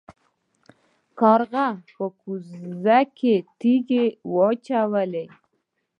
کارغه په کوزه کې تیږې واچولې.